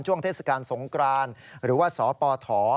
ช่วงเทศกาลสงครานหรือว่าสปถ